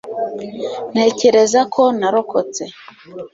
ntekereza ko narokotse